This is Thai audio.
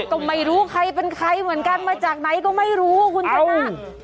ก็ไม่รู้ใครเป็นใครเหมือนกันมาจากไหนก็ไม่รู้ว่าคุณชนะ